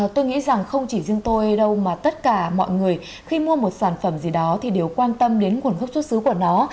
tôi nghĩ rằng không chỉ riêng tôi đâu mà tất cả mọi người khi mua một sản phẩm gì đó thì đều quan tâm đến nguồn gốc xuất xứ của nó